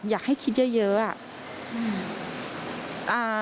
อยากให้คิดเยอะอะ